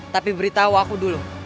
tapi beritahu aku dulu